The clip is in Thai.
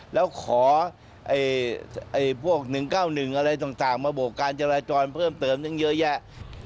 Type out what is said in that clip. แล้วขอพวก๑๙๑อะไรต่างมาโบกการจราจรเพิ่มเติมตั้งเยอะแยะ